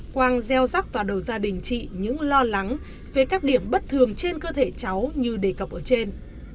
quang gieo rắc vào đầu gia đình chị những lo lắng về các điểm bất thường trên cơ thể cháu như đề cập ở trên